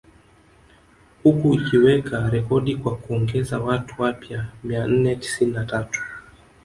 Huku ikiweka rekodi kwa kuongeza watu wapya mia nne tisini na tatu